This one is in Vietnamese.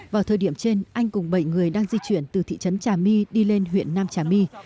vào thời điểm trên anh cùng bảy người đang di chuyển từ thị trấn trà my đi lên huyện nam trà my